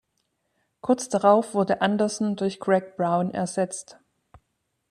Kurz darauf wurde Anderson durch Greg Brown ersetzt.